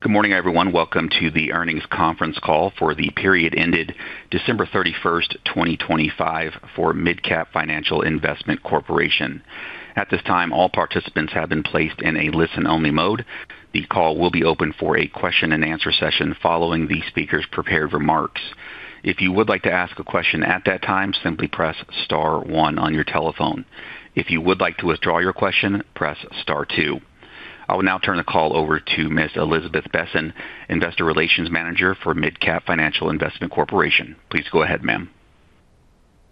Good morning, everyone. Welcome to the earnings conference call for the period ended December 31st, 2025 for MidCap Financial Investment Corporation. At this time, all participants have been placed in a listen-only mode. The call will be open for a question-and-answer session following the speaker's prepared remarks. If you would like to ask a question at that time, simply press star one on your telephone. If you would like to withdraw your question, press star two. I will now turn the call over to Ms. Elizabeth Besen, Investor Relations Manager for MidCap Financial Investment Corporation. Please go ahead, ma'am.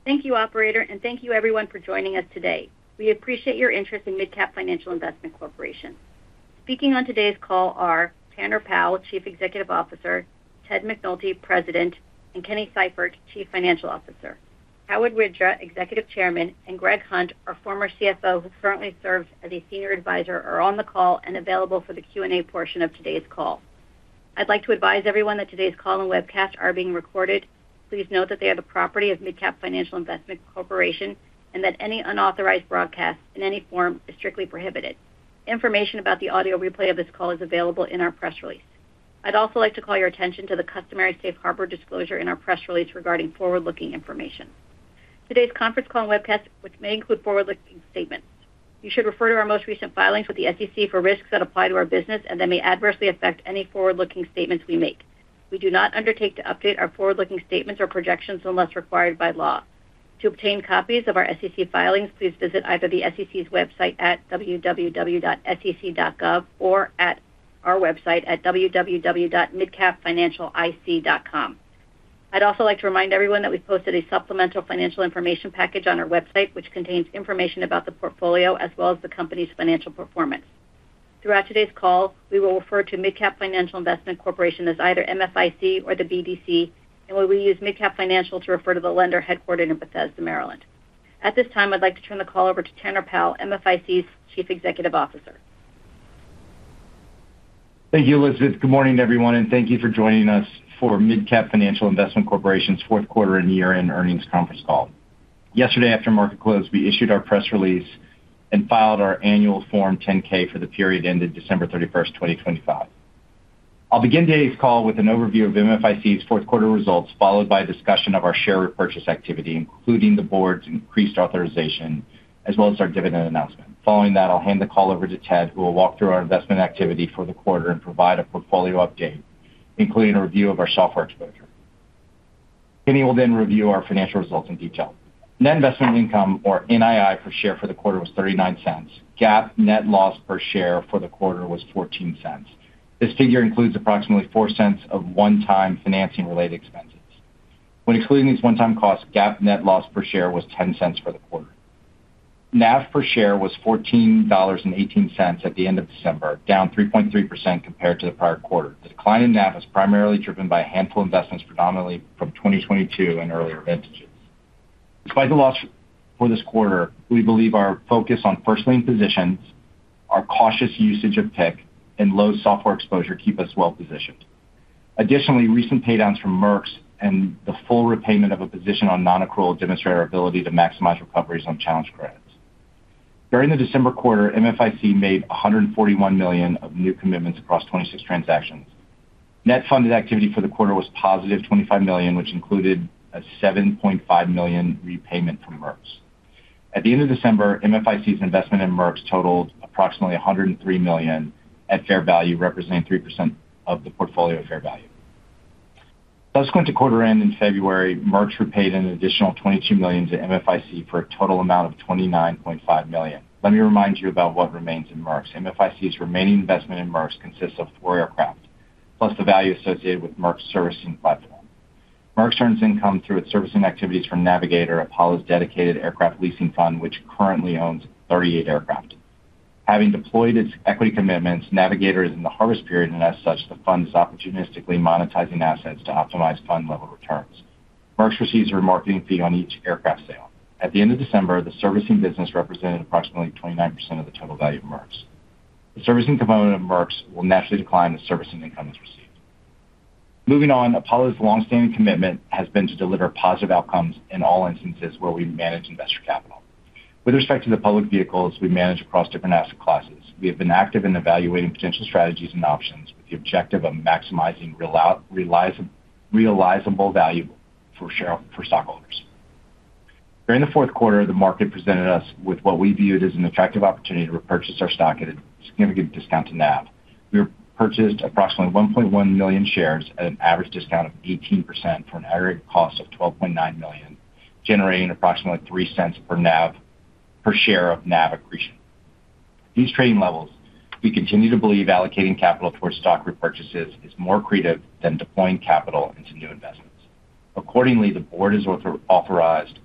Thank you, Operator, and thank you everyone for joining us today. We appreciate your interest in MidCap Financial Investment Corporation. Speaking on today's call are Tanner Powell, Chief Executive Officer, Ted McNulty, President, and Kenneth Seifert, Chief Financial Officer. Howard Widra, Executive Chairman, and Gregory Hunt, our former CFO, who currently serves as a Senior Advisor, are on the call and available for the Q&A portion of today's call. I'd like to advise everyone that today's call and webcast are being recorded. Please note that they are the property of MidCap Financial Investment Corporation and that any unauthorized broadcast in any form is strictly prohibited. Information about the audio replay of this call is available in our press release. I'd also like to call your attention to the customary safe harbor disclosure in our press release regarding forward-looking information. Today's conference call and webcast, which may include forward-looking statements. You should refer to our most recent filings with the SEC for risks that apply to our business and that may adversely affect any forward-looking statements we make. We do not undertake to update our forward-looking statements or projections unless required by law. To obtain copies of our SEC filings, please visit either the SEC's website at www.sec.gov or at our website at www.midcapfinancialic.com. I'd also like to remind everyone that we posted a supplemental financial information package on our website, which contains information about the portfolio as well as the company's financial performance. Throughout today's call, we will refer to MidCap Financial Investment Corporation as either MFIC or the BDC, and we will use MidCap Financial to refer to the lender headquartered in Bethesda, Maryland. At this time, I'd like to turn the call over to Tanner Powell, MFIC's Chief Executive Officer. Thank you, Elizabeth. Good morning, everyone, and thank you for joining us for MidCap Financial Investment Corporation's fourth quarter and year-end earnings conference call. Yesterday, after market close, we issued our press release and filed our annual Form 10-K for the period ended December 31st, 2025. I'll begin today's call with an overview of MFIC's fourth quarter results, followed by a discussion of our share repurchase activity, including the board's increased authorization, as well as our dividend announcement. Following that, I'll hand the call over to Ted, who will walk through our investment activity for the quarter and provide a portfolio update, including a review of our software exposure. Kenny will review our financial results in detail. Net investment income, or NII, per share for the quarter was $0.39. GAAP net loss per share for the quarter was $0.14. This figure includes approximately $0.04 of one-time financing-related expenses. When excluding these one-time costs, GAAP net loss per share was $0.10 for the quarter. NAV per share was $14.18 at the end of December, down 3.3% compared to the prior quarter. The decline in NAV is primarily driven by a handful of investments, predominantly from 2022 and earlier vintages. Despite the loss for this quarter, we believe our focus on first lien positions, our cautious usage of PIK, and low software exposure keep us well-positioned. Additionally, recent paydowns from Merx and the full repayment of a position on non-accrual demonstrate our ability to maximize recoveries on challenged credits. During the December quarter, MFIC made $141 million of new commitments across 26 transactions. Net funded activity for the quarter was +$25 million, which included a $7.5 million repayment from Merx. At the end of December, MFIC's investment in Merx totaled approximately $103 million at fair value, representing 3% of the portfolio fair value. Close going to quarter end in February, Merx repaid an additional $22 million to MFIC for a total amount of $29.5 million. Let me remind you about what remains in Merx. MFIC's remaining investment in Merx consists of 4 aircraft, plus the value associated with Merx's servicing platform. Merx earns income through its servicing activities from Navigator, Apollo's dedicated aircraft leasing fund, which currently owns 38 aircraft. Having deployed its equity commitments, Navigator is in the harvest period, as such, the fund is opportunistically monetizing assets to optimize fund level returns. Merx receives a remarketing fee on each aircraft sale. At the end of December, the servicing business represented approximately 29% of the total value of Merx. The servicing component of Merx will naturally decline as servicing income is received. Apollo's long-standing commitment has been to deliver positive outcomes in all instances where we manage investor capital. With respect to the public vehicles we manage across different asset classes, we have been active in evaluating potential strategies and options with the objective of maximizing realisable value for stockholders. During the fourth quarter, the market presented us with what we viewed as an attractive opportunity to repurchase our stock at a significant discount to NAV. We repurchased approximately 1.1 million shares at an average discount of 18% for an aggregate cost of $12.9 million, generating approximately $0.03 per share of NAV accretion. These trading levels, we continue to believe allocating capital towards stock repurchases is more accretive than deploying capital into new investments. Accordingly, the board has authorized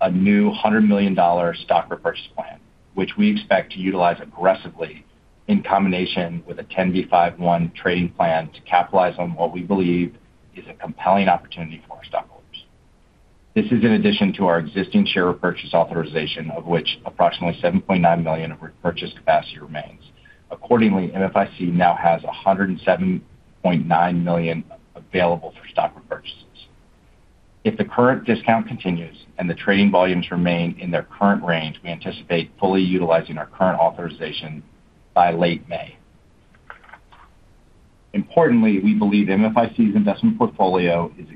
a new $100 million stock repurchase plan, which we expect to utilize aggressively in combination with a 10b5-1 trading plan to capitalize on what we believe is a compelling opportunity for our stockholders. This is in addition to our existing share repurchase authorization, of which approximately $7.9 million of repurchase capacity remains. Accordingly, MFIC now has $107.9 million available for stock repurchase. If the current discount continues and the trading volumes remain in their current range, we anticipate fully utilizing our current authorization by late May. Importantly, we believe MFIC's investment portfolio is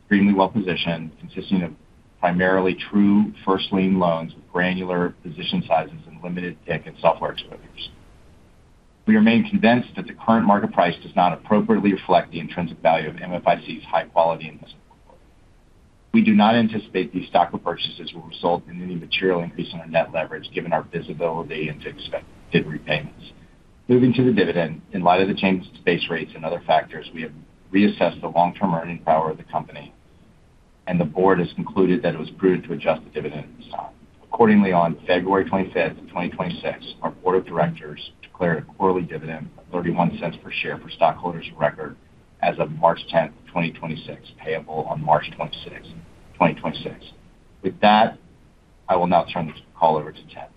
extremely well-positioned, consisting of primarily true first lien loans with granular position sizes and limited tech and software expenditures. We remain convinced that the current market price does not appropriately reflect the intrinsic value of MFIC's high quality investment portfolio. We do not anticipate these stock repurchases will result in any material increase in our net leverage, given our visibility into expected repayments. Moving to the dividend. In light of the changes to base rates and other factors, we have reassessed the long-term earning power of the company, and the board has concluded that it was prudent to adjust the dividend. Accordingly, on February 25th, 2026, our board of directors declared a quarterly dividend of $0.31 per share for stockholders of record as of March 10th, 2026, payable on March 26th, 2026. With that, I will now turn this call over to Ted.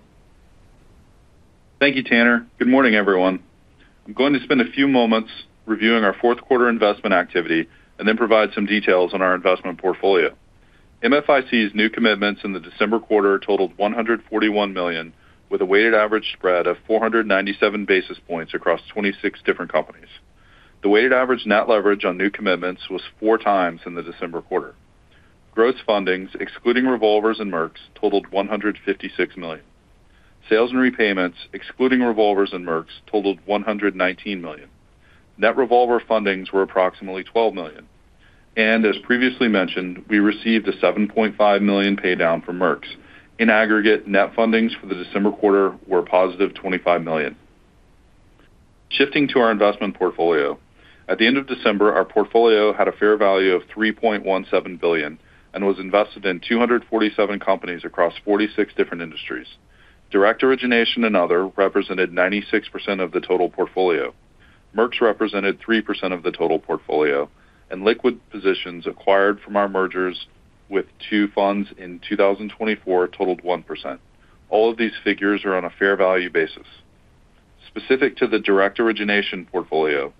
Thank you, Tanner. Good morning, everyone. I'm going to spend a few moments reviewing our fourth quarter investment activity and then provide some details on our investment portfolio. MFIC's new commitments in the December quarter totaled $141 million, with a weighted average spread of 497 basis points across 26 different companies. The weighted average net leverage on new commitments was 4x in the December quarter. Gross fundings, excluding revolvers and Merx, totaled $156 million. Sales and repayments, excluding revolvers and Merx, totaled $119 million. Net revolver fundings were approximately $12 million. As previously mentioned, we received a $7.5 million paydown from Merx. In aggregate, net fundings for the December quarter were positive $25 million. Shifting to our investment portfolio. At the end of December, our portfolio had a fair value of $3.17 billion and was invested in 247 companies across 46 different industries. Direct origination and other represented 96% of the total portfolio. Merx represented 3% of the total portfolio. Liquid positions acquired from our mergers with 2 funds in 2024 totaled 1%. All of these figures are on a fair value basis. Specific to the direct origination portfolio,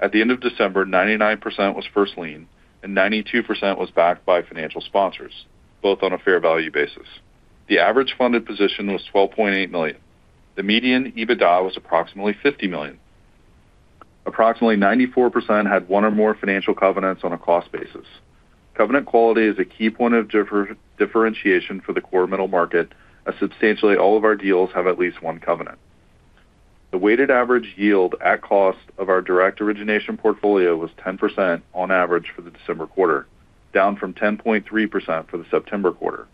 at the end of December, 99% was first lien and 92% was backed by financial sponsors, both on a fair value basis. The average funded position was $12.8 million. The median EBITDA was approximately $50 million. Approximately 94% had one or more financial covenants on a cost basis. Covenant quality is a key point of differentiation for the core middle market, as substantially all of our deals have at least one covenant. The weighted average yield at cost of our direct origination portfolio was 10% on average for the December quarter, down from 10.3% for the September quarter.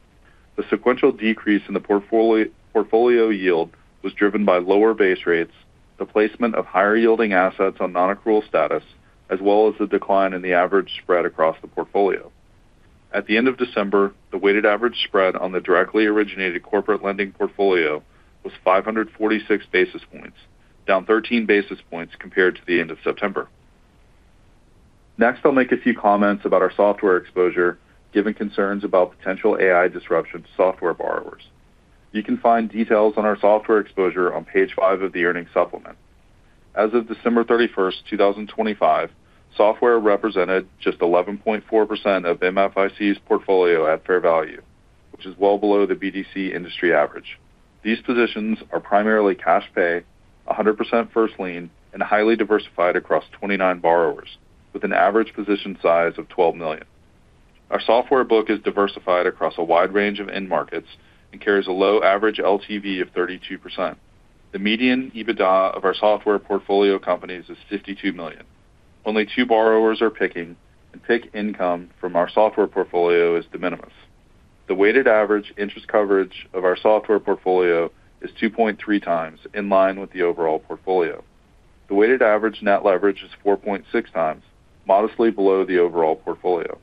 The sequential decrease in the portfolio yield was driven by lower base rates, the placement of higher-yielding assets on non-accrual status, as well as the decline in the average spread across the portfolio. At the end of December, the weighted average spread on the directly originated corporate lending portfolio was 546 basis points, down 13 basis points compared to the end of September. Next, I'll make a few comments about our software exposure, given concerns about potential AI disruption to software borrowers. You can find details on our software exposure on page 5 of the earnings supplement. As of December 31, 2025, software represented just 11.4% of MFIC's portfolio at fair value, which is well below the BDC industry average. These positions are primarily cash pay, 100% first lien, and highly diversified across 29 borrowers, with an average position size of $12 million. Our software book is diversified across a wide range of end markets and carries a low average LTV of 32%. The median EBITDA of our software portfolio companies is $52 million. Only two borrowers are PIK income from our software portfolio is de minimis. The weighted average interest coverage of our software portfolio is 2.3x, in line with the overall portfolio. The weighted average net leverage is 4.6x, modestly below the overall portfolio,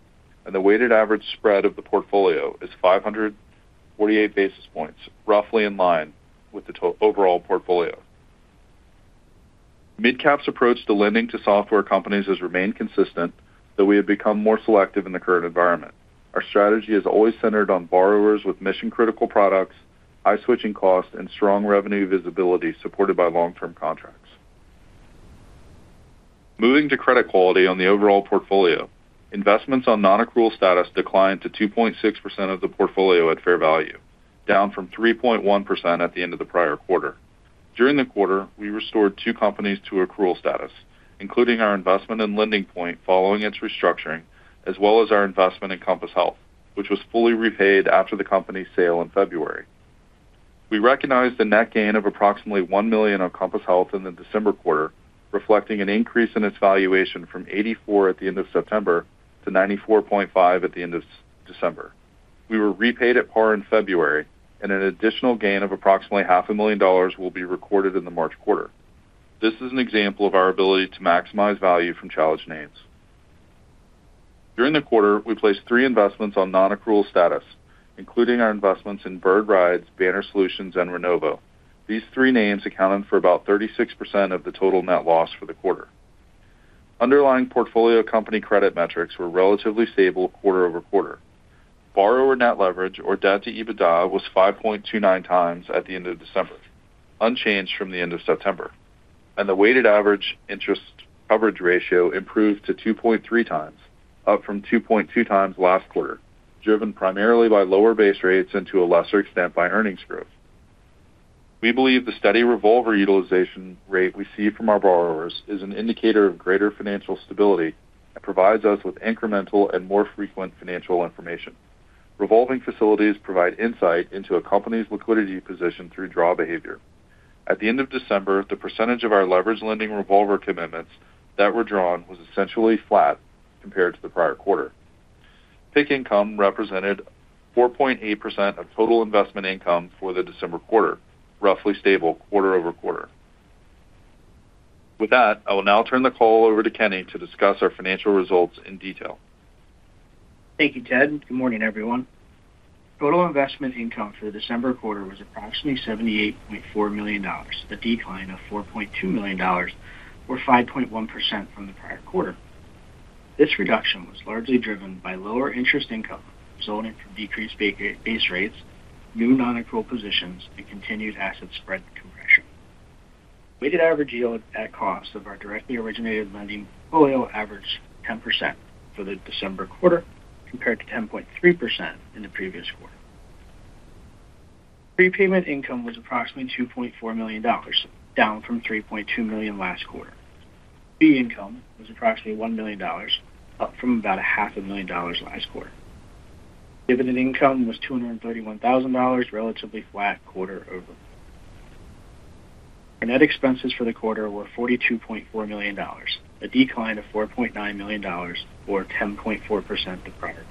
and the weighted average spread of the portfolio is 548 basis points, roughly in line with the total overall portfolio. MidCap's approach to lending to software companies has remained consistent, though we have become more selective in the current environment. Our strategy is always centered on borrowers with mission-critical products, high switching costs, and strong revenue visibility supported by long-term contracts. Moving to credit quality on the overall portfolio. Investments on non-accrual status declined to 2.6% of the portfolio at fair value, down from 3.1% at the end of the prior quarter. During the quarter, we restored two companies to accrual status, including our investment in LendingPoint following its restructuring, as well as our investment in Compass Health, which was fully repaid after the company's sale in February. We recognized a net gain of approximately $1 million on Compass Health in the December quarter, reflecting an increase in its valuation from 84 at the end of September to 94.5 at the end of December. We were repaid at par in February, and an additional gain of approximately half a million dollars will be recorded in the March quarter. This is an example of our ability to maximize value from challenged names. During the quarter, we placed three investments on non-accrual status, including our investments in Bird Rides, Banner Solutions, and Renovo. These three names accounted for about 36% of the total net loss for the quarter. Underlying portfolio company credit metrics were relatively stable quarter-over-quarter. Borrower net leverage or debt to EBITDA was 5.29x at the end of December, unchanged from the end of September. The weighted average interest coverage ratio improved to 2.3x, up from 2.2x last quarter, driven primarily by lower base rates and to a lesser extent, by earnings growth. We believe the steady revolver utilization rate we see from our borrowers is an indicator of greater financial stability and provides us with incremental and more frequent financial information. Revolving facilities provide insight into a company's liquidity position through draw behavior. At the end of December, the percentage of our leveraged lending revolver commitments that were drawn was essentially flat compared to the prior quarter. PIK income represented 4.8% of total investment income for the December quarter, roughly stable quarter-over-quarter. With that, I will now turn the call over to Kenny to discuss our financial results in detail. Thank you, Ted. Good morning, everyone. Total investment income for the December quarter was approximately $78.4 million, a decline of $4.2 million, or 5.1% from the prior quarter. This reduction was largely driven by lower interest income resulting from decreased base rates, new non-accrual positions, and continued asset spread compression. Weighted average yield at cost of our directly originated lending portfolio averaged 10% for the December quarter, compared to 10.3% in the previous quarter. Prepayment income was approximately $2.4 million, down from $3.2 million last quarter. Fee income was approximately $1 million, up from about a half a million dollars last quarter. Dividend income was $231,000, relatively flat quarter over. Our net expenses for the quarter were $42.4 million, a decline of $4.9 million or 10.4% the prior quarter.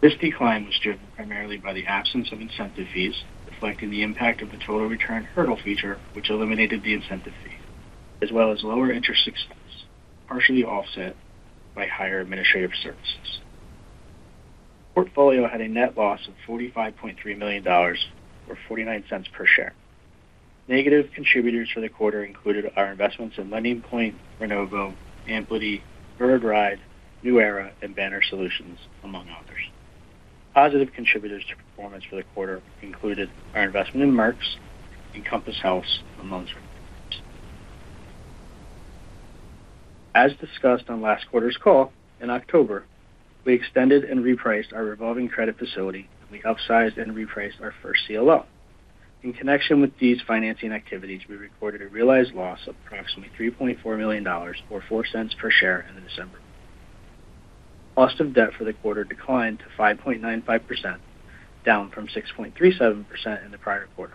This decline was driven primarily by the absence of incentive fees, reflecting the impact of the total return hurdle feature, which eliminated the incentive fee, as well as lower interest expense, partially offset by higher administrative services. Portfolio had a net loss of $45.3 million, or $0.49 per share. Negative contributors for the quarter included our investments in LendingPoint, Renovo, Amperity, Bird Rides, New Era, and Banner Solutions, among others. Positive contributors to performance for the quarter included our investment in Merx and Compass Health, amongst others. As discussed on last quarter's call, in October, we extended and repriced our revolving credit facility, and we upsized and repriced our first CLO. In connection with these financing activities, we recorded a realized loss of approximately $3.4 million, or $0.04 per share in the December. Cost of debt for the quarter declined to 5.95%, down from 6.37% in the prior quarter,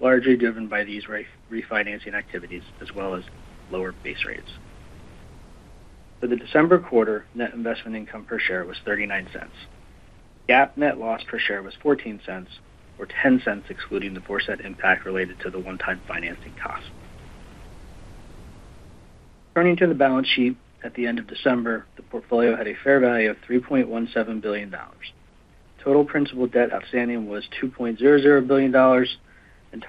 largely driven by these refinancing activities as well as lower base rates. For the December quarter, net investment income per share was $0.39. GAAP net loss per share was $0.14, or $0.10, excluding the aforesaid impact related to the one-time financing costs. Turning to the balance sheet, at the end of December, the portfolio had a fair value of $3.17 billion. Total principal debt outstanding was $2.00 billion,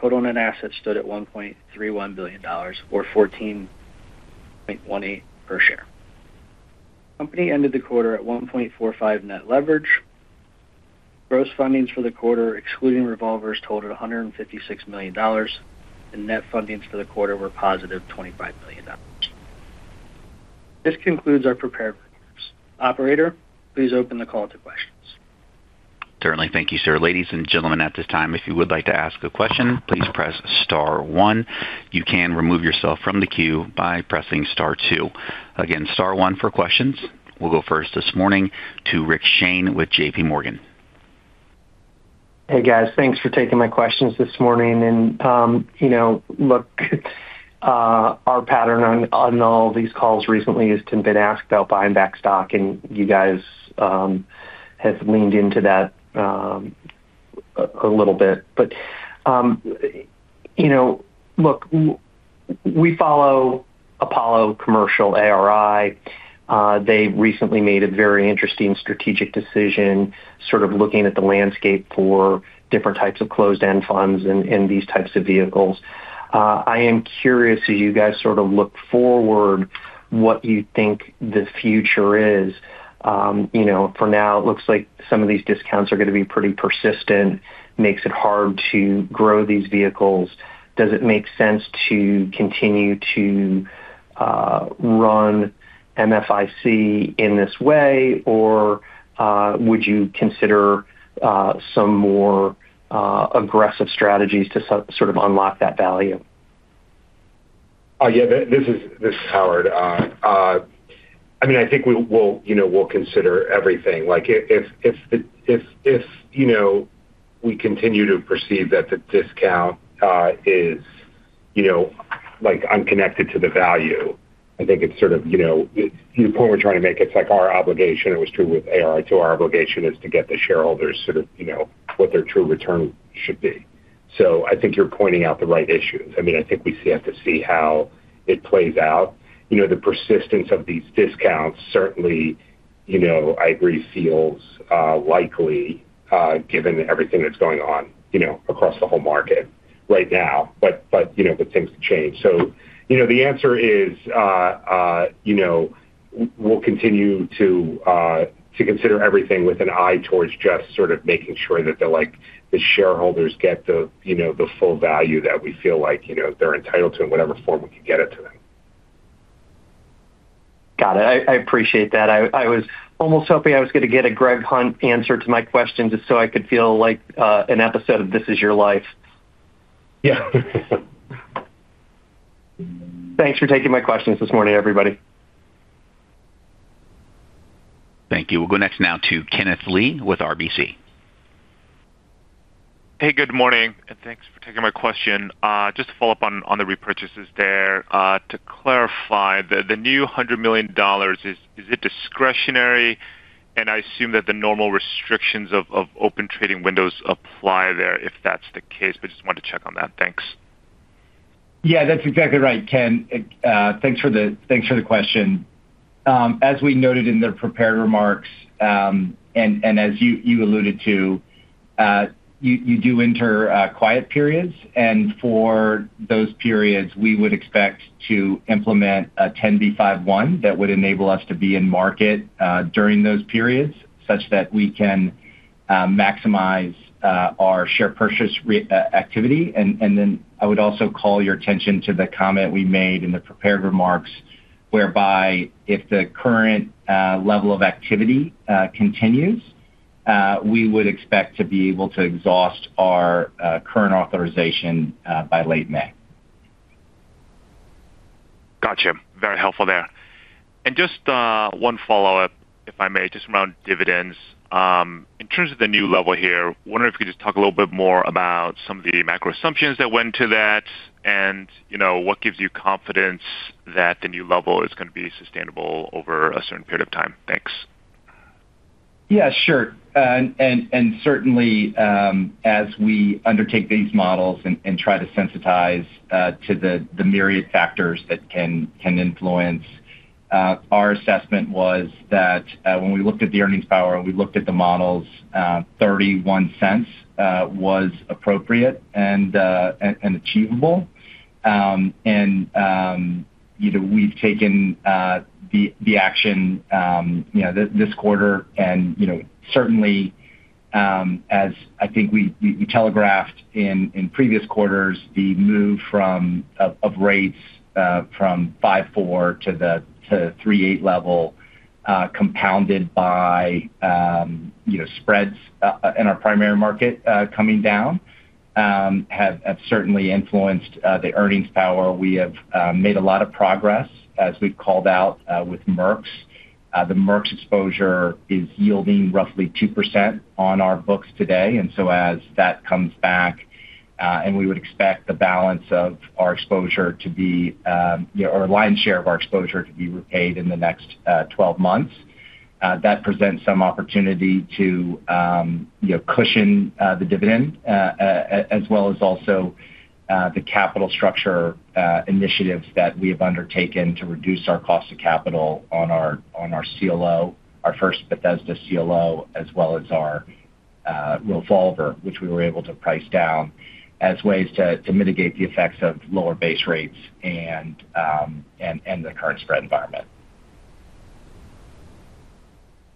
Total net assets stood at $1.31 billion, or $14.18 per share. Company ended the quarter at 1.45x net leverage. Gross fundings for the quarter, excluding revolvers, totaled $156 million, and net fundings for the quarter were +$25 million. This concludes our prepared remarks. Operator, please open the call to questions. Certainly. Thank you, sir. Ladies and gentlemen, at this time, if you would like to ask a question, please press star one. You can remove yourself from the queue by pressing star two. Again, star one for questions. We'll go first this morning to Richard Shane with JPMorgan. Hey, guys. Thanks for taking my questions this morning. You know, look, our pattern on all these calls recently has been asked about buying back stock, and you guys have leaned into that a little bit. You know, look, we follow Apollo Commercial ARI. They recently made a very interesting strategic decision, sort of looking at the landscape for different types of closed-end funds and these types of vehicles. I am curious, as you guys sort of look forward, what you think the future is. You know, for now, it looks like some of these discounts are going to be pretty persistent. Makes it hard to grow these vehicles. Does it make sense to continue to run MFIC in this way, or would you consider some more aggressive strategies to sort of unlock that value? Yeah, this is Howard. I mean, I think we'll, you know, we'll consider everything. If, you know, we continue to perceive that the discount is, you know, like unconnected to the value, I think it's sort of, you know, the point we're trying to make, it's like our obligation. It was true with ARI, too. Our obligation is to get the shareholders sort of, you know, what their true return should be. I think you're pointing out the right issues. I mean, I think we still have to see how it plays out. You know, the persistence of these discounts certainly, you know, I agree, feels likely given everything that's going on, you know, across the whole market. Things can change. You know, the answer is, you know, we'll continue to consider everything with an eye towards just sort of making sure that the, like, the shareholders get the, you know, the full value that we feel like, you know, they're entitled to in whatever form we can get it to them. Got it. I appreciate that. I was almost hoping I was gonna get a Gregory Hunt answer to my question, just so I could feel like an episode of This Is Your Life. Yeah. Thanks for taking my questions this morning, everybody. Thank you. We'll go next now to Kenneth Lee with RBC. Hey, good morning, and thanks for taking my question. Just to follow up on the repurchases there. To clarify, the new $100 million, is it discretionary? I assume that the normal restrictions of open trading windows apply there if that's the case, but just wanted to check on that. Thanks. Yeah, that's exactly right, Ken. Thanks for the question. As we noted in the prepared remarks, and as you alluded to, you do enter quiet periods, and for those periods, we would expect to implement a 10b5-1 that would enable us to be in market during those periods, such that we can maximize our share purchase activity. I would also call your attention to the comment we made in the prepared remarks, whereby if the current level of activity continues, we would expect to be able to exhaust our current authorization by late May. Gotcha. Very helpful there. Just one follow-up, if I may, just around dividends. In terms of the new level here, I wonder if you could just talk a little bit more about some of the macro assumptions that went to that, and, you know, what gives you confidence that the new level is gonna be sustainable over a certain period of time? Thanks. Yeah, sure. Certainly, as we undertake these models and try to sensitize to the myriad factors that can influence, our assessment was that when we looked at the earnings power and we looked at the models, $0.31 was appropriate and achievable. You know, we've taken the action, you know, this quarter, and, you know, certainly, as I think we telegraphed in previous quarters, the move from rates from 5.4 to the 3.8 level, compounded by, you know, spreads in our primary market coming down, have certainly influenced the earnings power. We have made a lot of progress, as we've called out, with Merx. The Merx exposure is yielding roughly 2% on our books today. As that comes back, and we would expect the balance of our exposure to be, you know, or lion's share of our exposure to be repaid in the next 12 months. That presents some opportunity to, you know, cushion the dividend as well as also the capital structure initiatives that we have undertaken to reduce our cost of capital on our, on our CLO, our first Bethesda CLO, as well as our revolver, which we were able to price down, as ways to mitigate the effects of lower base rates and the current spread environment.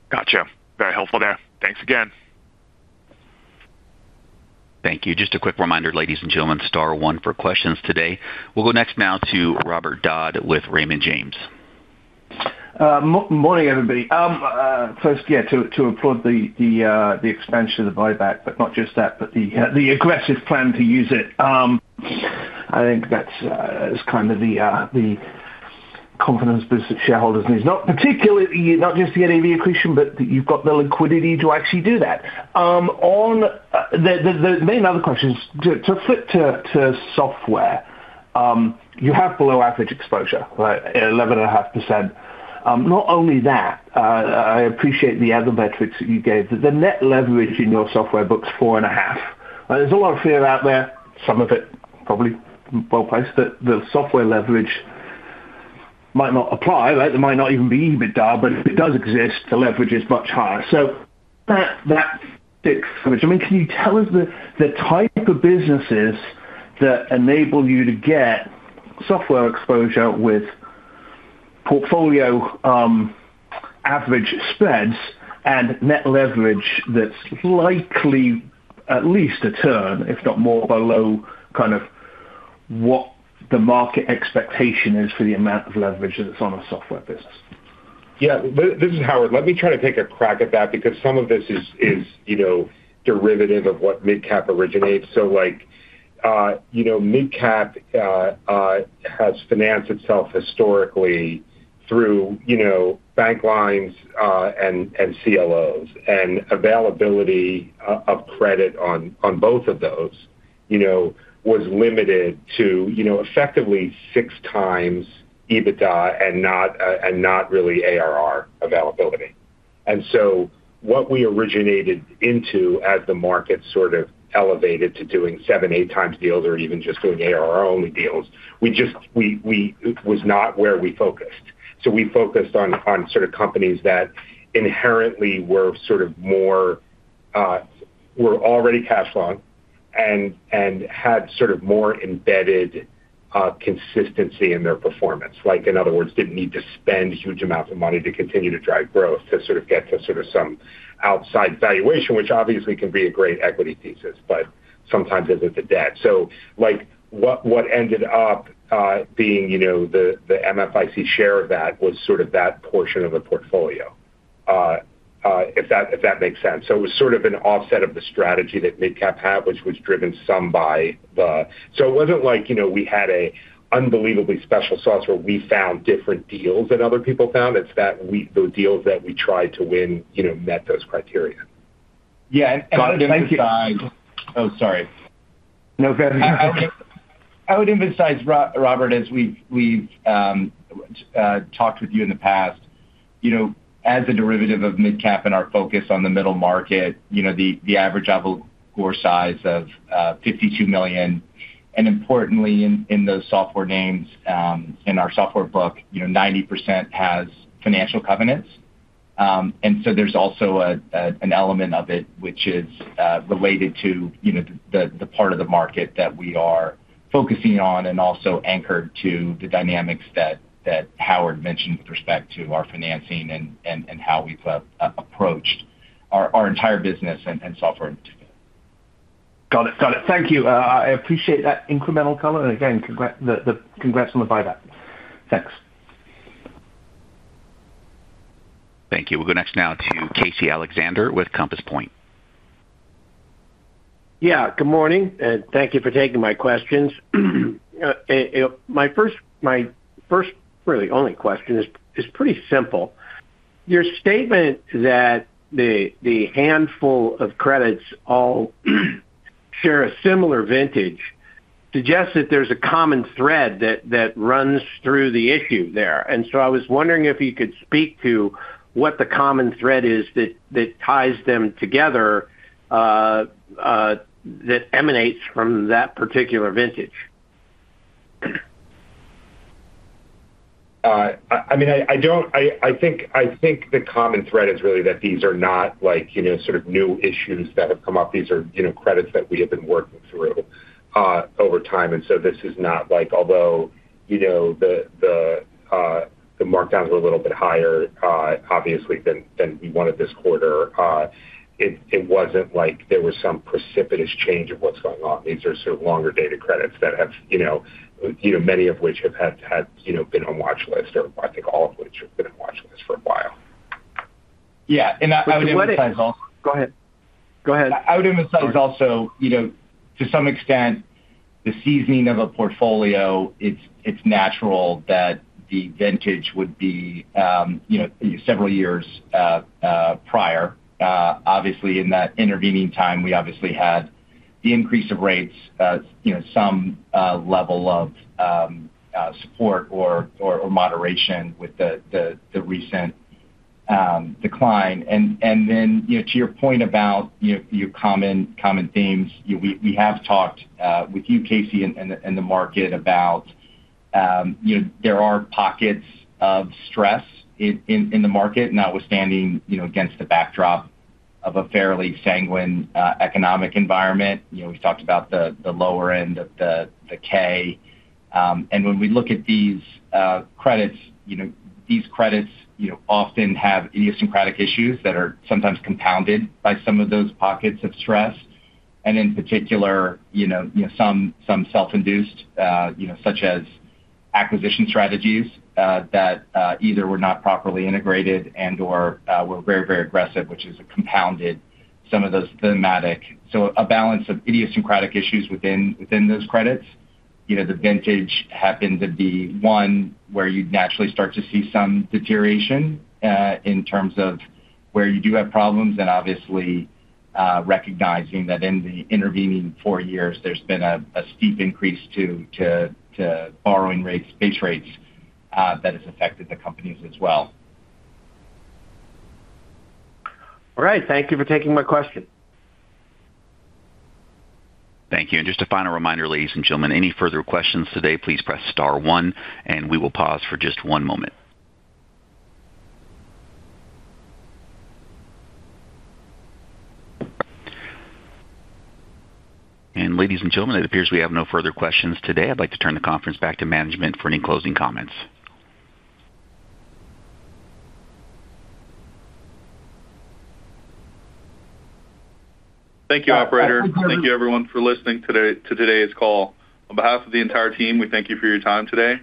Gotcha. Very helpful there. Thanks again. Thank you. Just a quick reminder, ladies and gentlemen, star one for questions today. We'll go next now to Robert Dodd with Raymond James. Morning, everybody. First, yeah, to applaud the expansion of the buyback, but not just that, but the aggressive plan to use it. I think that's kind of the confidence boost that shareholders need. Not particularly, not just the annual accretion, but that you've got the liquidity to actually do that. On the main other question is, to flip to software, you have below average exposure, right? 11.5%. Not only that, I appreciate the other metrics that you gave, but the net leverage in your software book's 4.5. There's a lot of fear out there, some of it probably well-placed, that the software leverage might not apply, right? There might not even be EBITDA, but if it does exist, the leverage is much higher. That sticks for me. Can you tell us the type of businesses that enable you to get software exposure with portfolio average spreads and net leverage that's likely at least a turn, if not more below, kind of what the market expectation is for the amount of leverage that's on a software business? Yeah. This is Howard. Let me try to take a crack at that because some of this is, you know, derivative of what MidCap originates. Like, you know, MidCap has financed itself historically through, you know, bank lines and CLOs. Availability of credit on both of those, you know, was limited to, you know, effectively 6x EBITDA and not really ARR availability. What we originated into as the market sort of elevated to doing 7x, 8x deals or even just doing ARR-only deals, it was not where we focused. We focused on sort of companies that inherently were sort of more, were already cash long and had sort of more embedded, consistency in their performance. Like, in other words, didn't need to spend huge amounts of money to continue to drive growth, to sort of get to sort of some outside valuation, which obviously can be a great equity thesis, but sometimes it's a debt. Like, what ended up being, you know, the MFIC share of that was sort of that portion of the portfolio, if that makes sense. It was sort of an offset of the strategy that MidCap had, which was driven some. It wasn't like, you know, we had an unbelievably special sauce where we found different deals than other people found. It's that those deals that we tried to win, you know, met those criteria. Yeah, and- Go ahead. Oh, sorry. No, go ahead. I would emphasize, Robert, as we've talked with you in the past, you know, as a derivative of MidCap and our focus on the middle market, you know, the average level core size of $52 million, and importantly, in those software names, in our software book, you know, 90% has financial covenants. There's also an element of it which is related to, you know, the part of the market that we are focusing on, and also anchored to the dynamics that Howard mentioned with respect to our financing and how we've approached our entire business and software. Got it. Got it. Thank you. I appreciate that incremental color, and again, congrats on the buyback. Thanks. Thank you. We'll go next now to Casey Alexander with Compass Point. Yeah, good morning, and thank you for taking my questions. My first, really only question is pretty simple. Your statement that the handful of credits all share a similar vintage suggests that there's a common thread that runs through the issue there. I was wondering if you could speak to what the common thread is that ties them together that emanates from that particular vintage? I mean, I don't. I think the common thread is really that these are not like, you know, sort of new issues that have come up. These are, you know, credits that we have been working through over time. This is not like although, you know, the markdowns were a little bit higher, obviously, than we wanted this quarter. It wasn't like there was some precipitous change of what's going on. These are sort of longer dated credits that have, you know, many of which have had, you know, been on watch list, or I think all of which have been on watch list for a while. Yeah, I would emphasize all-. Go ahead. Go ahead. I would emphasize also, you know, to some extent, the seasoning of a portfolio, it's natural that the vintage would be, you know, several years prior. Obviously, in that intervening time, we obviously had the increase of rates, you know, some level of support or moderation with the recent decline. Then, you know, to your point about, you know, your common themes, you know, we have talked with you, Casey, and the market about, you know, there are pockets of stress in the market, notwithstanding, you know, against the backdrop of a fairly sanguine economic environment. You know, we've talked about the lower end of the K. When we look at these credits, you know, these credits, you know, often have idiosyncratic issues that are sometimes compounded by some of those pockets of stress, and in particular, you know, some self-induced, you know, such as acquisition strategies, that either were not properly integrated and/or were very, very aggressive, which is compounded some of those thematic. A balance of idiosyncratic issues within those credits. You know, the vintage happened to be one where you'd naturally start to see some deterioration, in terms of where you do have problems, and obviously, recognizing that in the intervening 4 years, there's been a steep increase to borrowing rates, base rates, that has affected the companies as well. All right. Thank you for taking my question. Thank you. Just a final reminder, ladies and gentlemen, any further questions today, please press star one, and we will pause for just one moment. Ladies and gentlemen, it appears we have no further questions today. I'd like to turn the conference back to management for any closing comments. Thank you, Operator. Thank you everyone for listening to today's call. On behalf of the entire team, we thank you for your time today.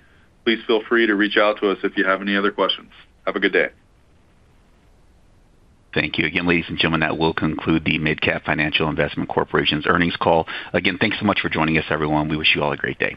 Please feel free to reach out to us if you have any other questions. Have a good day. Thank you. Again, ladies and gentlemen, that will conclude the MidCap Financial Investment Corporation's earnings call. Thanks so much for joining us, everyone. We wish you all a great day.